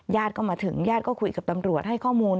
ก็มาถึงญาติก็คุยกับตำรวจให้ข้อมูล